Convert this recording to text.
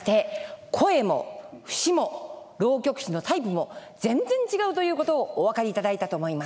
声も節も浪曲師のタイプも全然違うということをお分かりいただいたと思います。